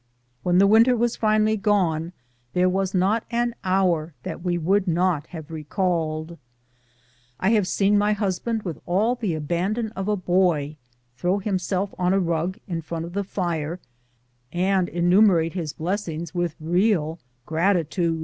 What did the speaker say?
When the winter was finally gone there was not an hour that we would not have recalled. I have seen my husband with all the abandon of a boy throw himself on a rug in front of the fire and enumerate his blessings with real gratitude.